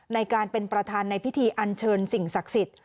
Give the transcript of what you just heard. ในการเป็นประธานในพิธีอันเชิญสิ่งศักดิ์สิทธิ์